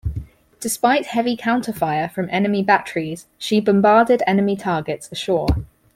Despite heavy counter fire from enemy batteries, she bombarded enemy targets ashore.